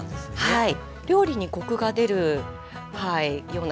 はい。